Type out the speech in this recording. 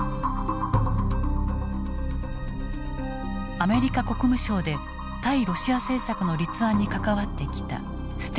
アメリカ国務省で対ロシア政策の立案に関わってきたステント氏。